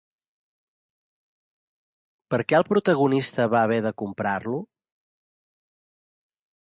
Per què el protagonista va haver de comprar-lo?